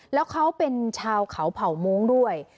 แล้วเขาเป็นชาวเขาเผ่าโม้งด้วย